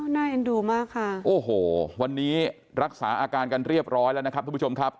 น่าเอ็นดูมากค่ะโอ้โหวันนี้รักษาอาการกันเรียบร้อยแล้วนะครับทุกผู้ชมครับ